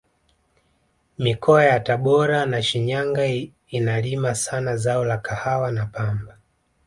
mikoa ya tabora na shinyanga inalima sana zao la kahawa na pamba